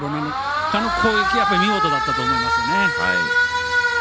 あの攻撃は見事だったと思います。